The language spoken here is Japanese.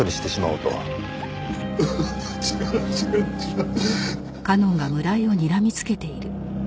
うう違う違う違う。